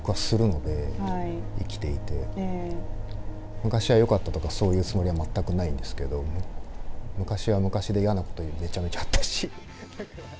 昔はよかったとか、そういうつもりは全くないんですけれども昔は昔で嫌なこともめちゃくちゃあったし。